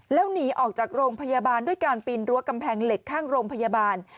แล้วหนีออกจากโรงพยาบาลด้วยการปีนรั้วกำแพงเหล็กข้างโรงพยาบาล